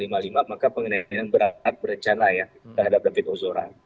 maka pengenian berat beracana ya terhadap david ozora